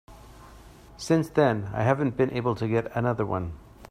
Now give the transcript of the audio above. Since then I haven't been able to get another one.